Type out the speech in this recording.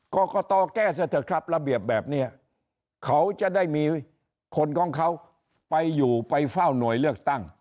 กรกตแก้เถอะครับระเบียบแบบนี้เขาจะได้มีคนของเขาไปอยู่ไปเฝ้าหน่วยเลือกตั้ง